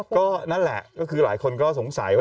ก็นั่นแหละก็คือหลายคนก็สงสัยว่า